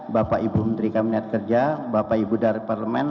bapak ibu menteri kabinet kerja bapak ibu dari parlemen